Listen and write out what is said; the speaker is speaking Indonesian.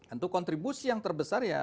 untuk kontribusi yang terbesar ya